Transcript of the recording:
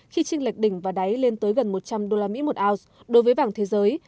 khi trinh lệch đỉnh và đáy lên tới gần một trăm linh đô la mỹ một ounce đối với vàng thế giới